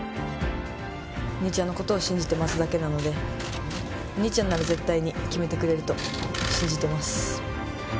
お兄ちゃんのことを信じてやるだけなのでお兄ちゃんなら絶対に決めてくれると信じてます。